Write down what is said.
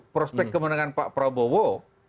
prospek kemenangan pak prabowo